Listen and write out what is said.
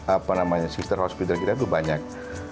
apa namanya sister hospital kita itu banyak